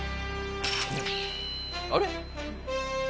あれ？